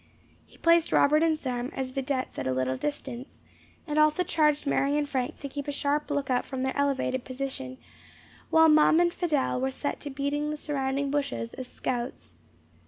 He placed Robert and Sam as videttes at a little distance, and also charged Mary and Frank to keep a sharp look out from their elevated position, while Mum and Fidelle were set to beating the surrounding bushes as scouts.